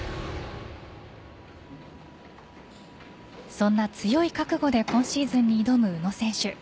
そんな強い覚悟で今シーズンに挑む宇野選手。